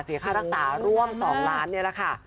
เสียค่ารักษาร่วม๒ล้านบาทนี่แหละค่ะ